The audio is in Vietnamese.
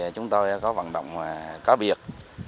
chúng tôi có vận động có biệt